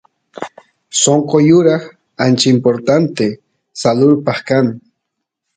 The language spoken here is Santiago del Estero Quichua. sonqo yuraq ancha importanta salurpa kan